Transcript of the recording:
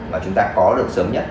mà chúng ta có được sớm nhất